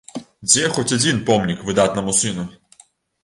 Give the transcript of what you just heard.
Дзе хоць адзін помнік выдатнаму сыну?